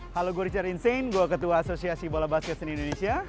halo gue richard insane gue ketua asosiasi bola basket di indonesia